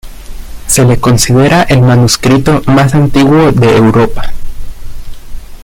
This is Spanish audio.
Se le considera el manuscrito más antiguo de Europa.